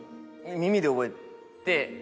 耳で覚えて。